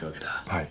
はい。